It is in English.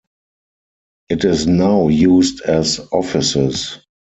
It is now used as offices.